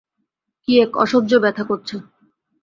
কি এক অসহ্য ব্যাথা করছে!